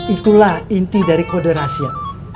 itulah inti dari kode rahasia